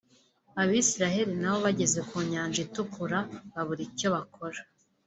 Abisiraeli nabo bageze ku nyanja itukura babura icyo bakora